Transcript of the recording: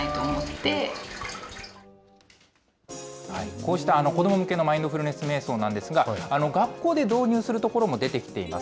こうした子ども向けのマインドフルネスめい想なんですが、学校で導入する所も出てきています。